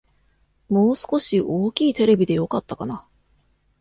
もう少し大きいテレビでよかったかな